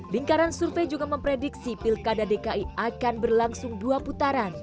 lingkaran survei juga memprediksi pilkada dki akan berlangsung dua putaran